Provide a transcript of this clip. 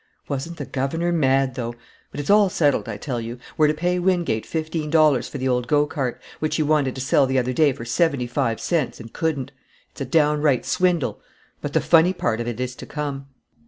Wasn't the governor mad, though! But it's all settled, I tell you. We're to pay Wingate fifteen dollars for the old go cart, which he wanted to sell the other day for seventy five cents, and couldn't. It's a downright swindle. But the funny part of it is to come."